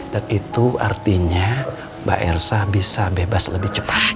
dan itu artinya mbak elsa bisa bebas lebih cepat